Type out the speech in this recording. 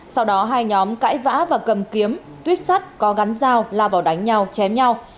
sau đó hai nhóm cãi vã và cầm kiếm tuyếp sắt có gắn dao la vào đánh nhau chém nhau